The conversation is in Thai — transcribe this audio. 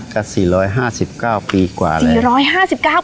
กะ๔๕๙ปีกว่าแล้ว